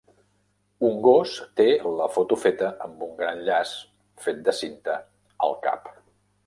Un gos té la foto feta amb un gran llaç fet de cinta al cap.